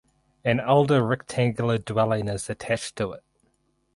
An older rectangular dwelling is attached to it.